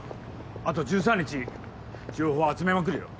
あと１３日情報集めまくるよ。